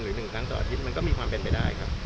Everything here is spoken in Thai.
๑ครั้งต่ออาทิตย์มันก็มีความเป็นไปได้ครับ